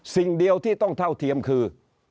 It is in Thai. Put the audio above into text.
สิ่งเดียวที่ต้องเท่าเทียมคือ